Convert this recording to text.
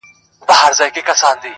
هغه مړ له مــسته واره دى لوېـدلى.